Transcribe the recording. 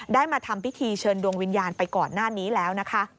มาทำพิธีเชิญดวงวิญญาณไปก่อนหน้านี้แล้วนะคะ